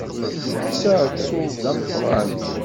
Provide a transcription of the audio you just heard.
Yekkes uεettub d ameqqran.